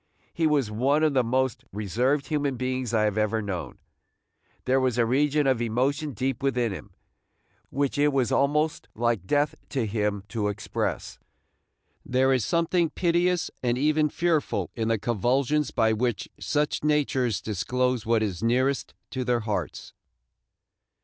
He was one of the most reserved human beings I have ever known. There was a region of emotion deep within him, which it was almost like death to him to express. There is something piteous and even fearful in the convulsions by which such natures disclose what is nearest to their hearts.